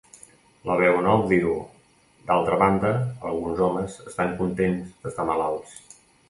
La veu en off diu: D'altra banda, alguns homes estan contents d'estar malalts.